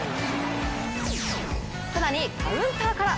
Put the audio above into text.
更にカウンターから！